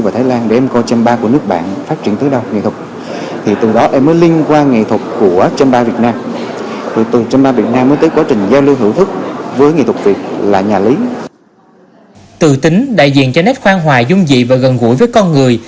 từ tính đại diện cho nét khoan hoài dung dị và gần gũi với con người